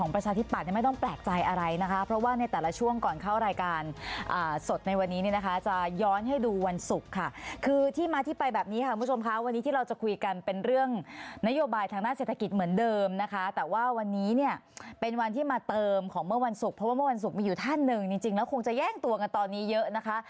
เพราะว่าแก้งตัวกันตอนนี้เยอะนะคะ